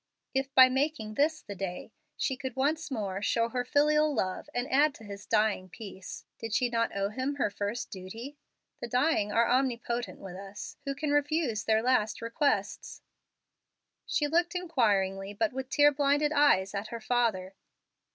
If by making this the day she could once more show her filial love and add to his dying peace, did she not owe him her first duty? The dying are omnipotent with us. Who can refuse their last requests? She looked inquiringly, but with tear blinded eyes, at her father.